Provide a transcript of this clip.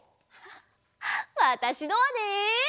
わたしのはね。